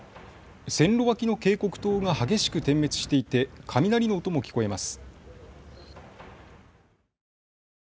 線路脇の警告灯が激しく点滅していて雷の音も聞こえます。